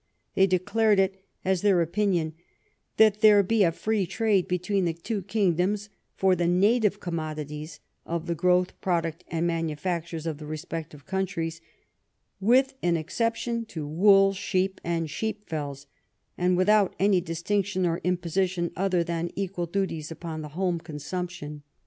They declared it as their opinion "that there be a free trade between the two kingdoms for the native conmiodities of the growth, product, and manufactures of the respective countries, with an exception to wool, sheep, and sheep fells, and without any distinction or imposition other than equal duties upon the home consumption."